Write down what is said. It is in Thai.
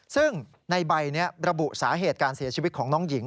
ซึ่งในใบนี้ระบุสาเหตุการเสียชีวิตของน้องหญิง